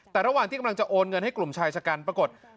แต่ระหว่างที่กำลังจะโอนเงินให้กลุ่มชายชะกันปรากฏ